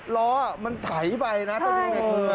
ร้อมันถ่ายไปนะตัวนี้